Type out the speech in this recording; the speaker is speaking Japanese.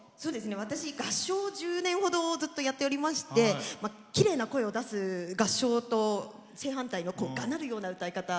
私、合唱を１０年ほどやっておりましてきれいな声を出す合唱と正反対のがなるような歌い方